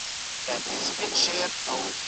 آیا ميرمن د پلار په کور کې په خدمت کولو راضي وه؟